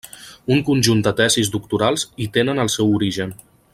Un conjunt de tesis doctorals hi tenen el seu origen.